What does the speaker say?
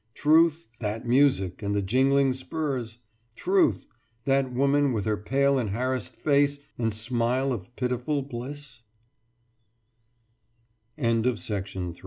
Truth that music and the jingling spurs? Truth that woman with her pale and harassed face and smile of pitiful blis